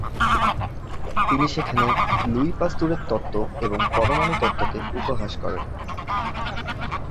তিনি সেখানে লুই পাস্তুরের তত্ত্ব এবং পরমাণু তত্ত্বকে উপহাস করেন।